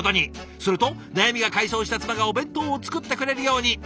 すると悩みが解消した妻がお弁当を作ってくれるように。